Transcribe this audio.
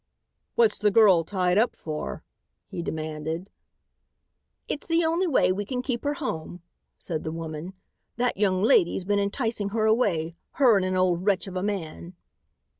"What's the girl tied up for?" he demanded. "It's the only way we can keep her home," said the woman. "That young lady's been enticing her away; her and an old wretch of a man."